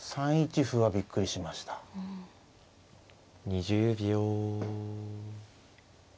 ２０秒。